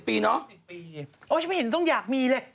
โอ้ฉันไม่เห็นต้องอยากมีเลย